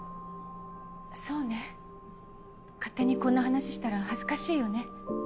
そうね勝手にこんな話したら恥ずかしいよね。